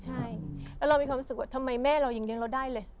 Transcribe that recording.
ใช่แล้วเรามีความรู้สึกว่าทำไมแม่เรายังเลี้ยเราได้เลย